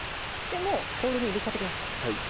もうボウルに入れちゃってください